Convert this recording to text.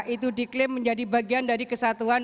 itu diklaim menjadi bagian dari kesatuan